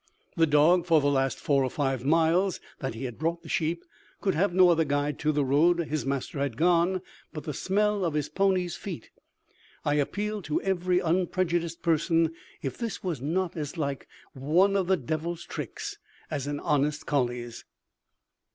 The dog, for the last four or five miles that he had brought the sheep, could have no other guide to the road his master had gone but the smell of his pony's feet. I appeal to every unprejudiced person if this was not as like one of the deil's tricks as an honest colley's.